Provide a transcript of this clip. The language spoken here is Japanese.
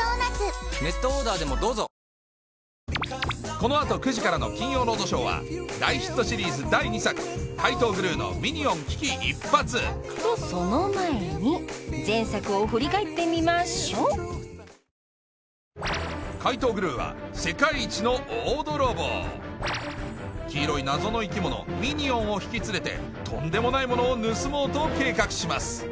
この後９時からの『金曜ロードショー』は大ヒットシリーズ第２作『怪盗グルーのミニオン危機一発』とその前に前作を振り返ってみましょう！を引き連れてとんでもないものを盗もうと計画します